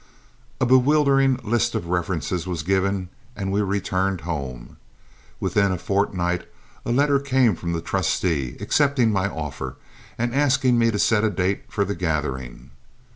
A bewildering list of references was given and we returned home. Within a fortnight a letter came from the trustee, accepting my offer and asking me to set a date for the gathering.